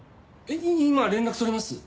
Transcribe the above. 今連絡取れます？